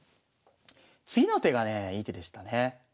次の手がねえいい手でしたね。